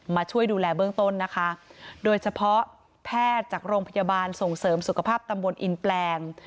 มาช่วยดูแลเบื้องต้นนะคะโดยเฉพาะแพทย์จากโรงพยาบาลส่งเสริมสุขภาพตำบลอินแปลง